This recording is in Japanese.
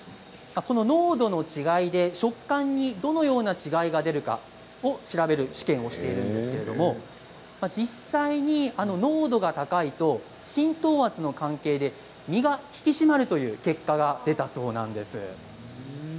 この濃度の違いで食感にどのような違いが出るかを調べる試験をしているんですけれども実際に濃度が高いと浸透圧の関係で身が引き締まるという結果が出たそうです。